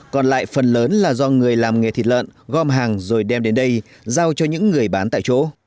còn lại phần lớn là do người làm nghề thịt lợn gom hàng rồi đem đến đây giao cho những người bán tại chỗ